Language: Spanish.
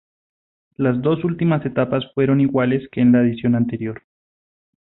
Las dos últimas etapas fueron iguales que en la edición anterior.